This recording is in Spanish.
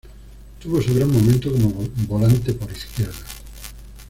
Tuvo su gran momento como volante por izquierda.